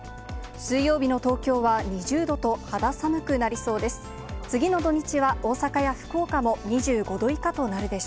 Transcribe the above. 水曜日の東京は２０度と、肌寒くなりそうです。